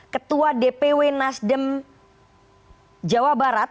ketua dpw nasdem jawa barat